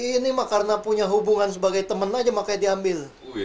ini mah karena punya hubungan sebagai teman aja makanya diambil